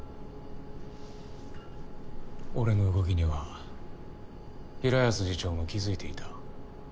俺の動きには平安次長も気付いていた。